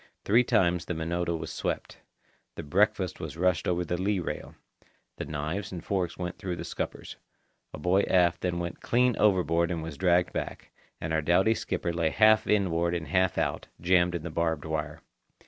Three times the Minota was swept. The breakfast was rushed over the lee rail. The knives and forks went through the scuppers; a boy aft went clean overboard and was dragged back; and our doughty skipper lay half inboard and half out, jammed in the barbed wire.